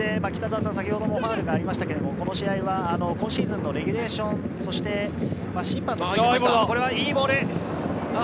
先ほどもファウルがありましたけれど、この試合は今シーズンのレギュレーション、そして、審判のこれはいいボール。